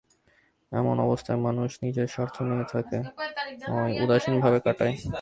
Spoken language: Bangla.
এমন অবস্থায় মানুষ, হয় নিজের স্বার্থ নিয়েই থাকে নয় উদাসীনভাবে কাটায়।